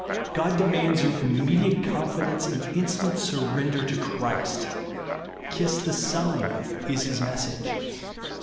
God de mands your immediate confidence and in stant surrender to Christ. " Kiss the Son " is his message, (Psa.